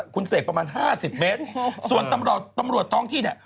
คุณเศกประมาณ๕๐เมตรส่วนตำรวจท้องที่